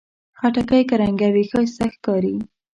خټکی که رنګه وي، ښایسته ښکاري.